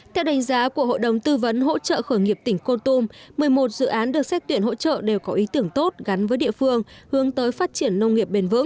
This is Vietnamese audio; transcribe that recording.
theo đánh giá của hội đồng tư vấn hỗ trợ khởi nghiệp tỉnh con tum một mươi một dự án được xét tuyển hỗ trợ đều có ý tưởng tốt gắn với địa phương hướng tới phát triển nông nghiệp bền vững